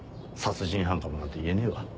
殺人犯かも」なんて言えねえわ。